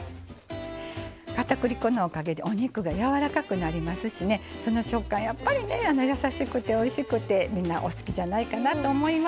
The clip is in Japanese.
片栗粉のおかげでお肉が柔らかくなりますしねその食感やっぱりねやさしくておいしくてみんなお好きじゃないかなと思います。